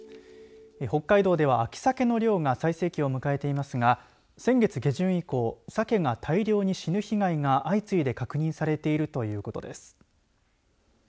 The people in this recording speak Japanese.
北海道では秋サケの漁が最盛期を迎えていますが先月下旬以降サケが大量に死ぬ被害が相次いで確認されているということです。